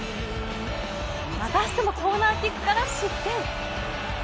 またしてもコーナーキックから失点。